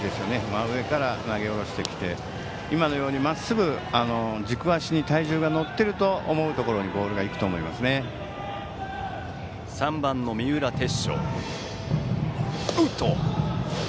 真上から投げ下ろしてきて今のように、まっすぐ軸足に体重が乗っていると思うところに打席は３番の三浦鉄昇。